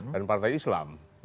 dan partai islam